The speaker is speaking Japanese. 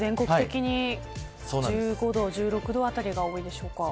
全国的に１５度、１６度あたりが、多いんでしょうか。